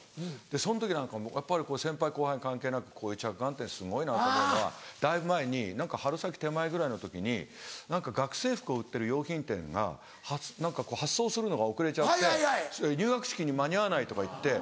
その時なんかもやっぱり先輩後輩関係なくこういう着眼点すごいなと思うのはだいぶ前に春先手前ぐらいの時に学生服を売ってる洋品店が発送するのが遅れちゃって入学式に間に合わないとかいって。